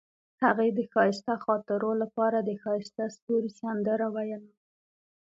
هغې د ښایسته خاطرو لپاره د ښایسته ستوري سندره ویله.